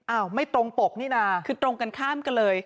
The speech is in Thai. ไม่ตรงปกนี่นะคือตรงกันข้ามกันเลย